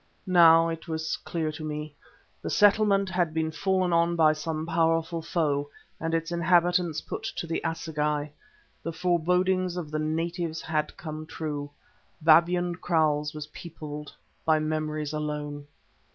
Now it was clear to me. The settlement had been fallen on by some powerful foe, and its inhabitants put to the assegai. The forebodings of the natives had come true; Babyan Kraals were peopled by memories alone.